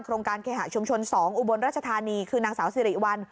โรงการเคหะชุมชน๒อุบลราชธานีคือนางสาวสิริวัล